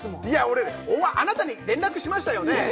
俺お前あなたに連絡しましたよね